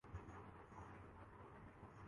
میں نے دونوں کا بڑھاپا دیکھا ہے۔